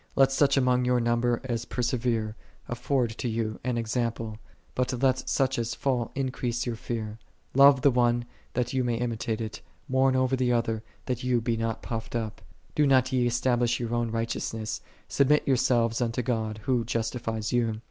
Let such among your number as persevere afford to you an example: but let such as fall increase your fear. Love the one that ye may imitate it; mourn over the other, that ye be not puffed up. Do not ye establish your own righteousness; submit yourselves unto God Who justifies you.